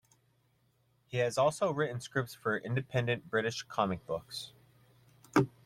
He has also written scripts for Independent British comic books.